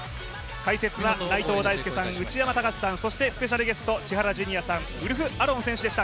解説は内藤大助さん、内山高志さんそしてスペシャルゲスト、千原ジュニアさんウルフアロン選手でした。